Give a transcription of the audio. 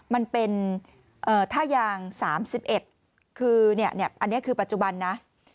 มันเป็นท่ายาง๓๑คืออันนี้คือปัจจุบันนะ